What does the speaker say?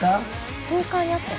ストーカーに遭ったの？